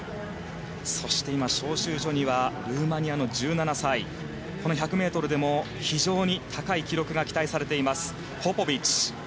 そして、招集所にはルーマニアの１７歳この１００ｍでも非常に高い記録が期待されています、ポポビッチ。